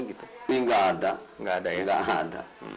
ini gak ada